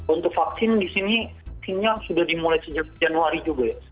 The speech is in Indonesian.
untuk vaksin disini sepertinya sudah dimulai sejak januari juga ya